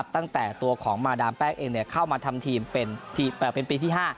ตั้งแต่ตัวของมาดามแป้งเองเข้ามาทำทีมเป็นปีที่๕